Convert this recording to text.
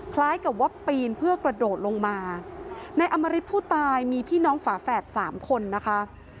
คล้ายกับว่าปีนเพื่อกระโดดลงมาในอมริตผู้ตายมีพี่น้องฝาแฝดสามคนนะคะ